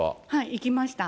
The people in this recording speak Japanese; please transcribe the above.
行きました。